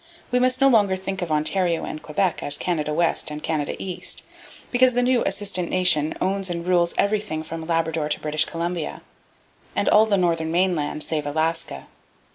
We must no longer think of Ontario and Quebec as "Canada West" and "Canada East," because the new assistant nation owns and rules everything from Labrador to British Columbia, and all the northern mainland save Alaska.